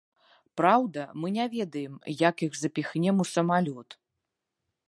Праўда, мы не ведаем як іх запхнем у самалёт.